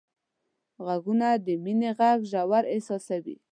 غوږونه د مینې غږ ژور احساسوي